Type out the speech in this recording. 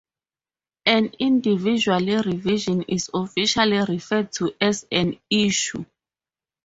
An individual revision is officially referred to as an "issue".